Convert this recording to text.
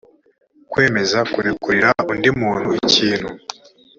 h kwemeza kurekurira undi muntu ikintu